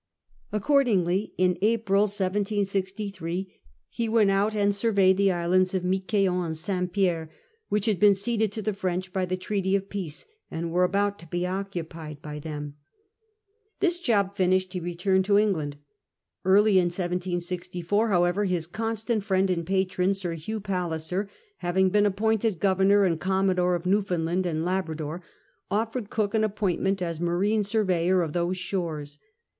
Accordingly, in April 1763, he went out and surveyed the islands of Miquelon and St. Pierre, which had been ceded to the French by the Treaty of Peace, and were about to be occupied by them. 42 CAPTAIN COOK CTIAP. This job finished, he returned to England. Early in 1764, however, his constant friend and patron. Sir Hugh Palliser, having been appointed Governor and Commodore of Newfoundland and Labrador, offered Cook an appointment as marine surveyor of those shores.